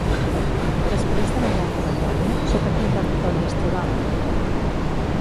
Després de la guerra de Troia, sota quin territori es trobaven?